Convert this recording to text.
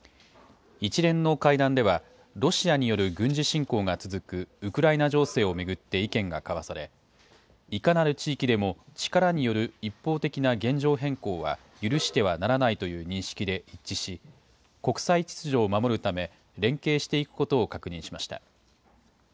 一連の会談ではロシアによる軍事侵攻が続くウクライナ情勢を巡って意見が交わされ、いかなる地域でも力による一方的な現状変更は許してはならないという認識で一致し、国際秩序を守るため、連携していくことを確認しました。